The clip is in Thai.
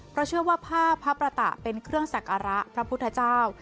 เพราะเชื่อว่าผ้าพระประตะเป็นเครื่องสักการะพระพุทธเจ้า